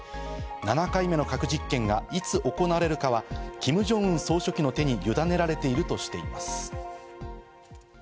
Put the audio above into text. ７回目の核実験がいつ行われるかはキム・ジョンウン総書記の手にゆだねられているとしています。